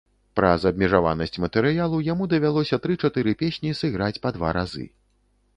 Праз абмежаванасць матэрыялу яму давялося тры-чатыры песні сыграць па два разы.